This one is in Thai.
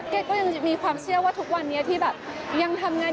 ก็ยังมีความเชื่อว่าทุกวันนี้ที่แบบยังทำงาน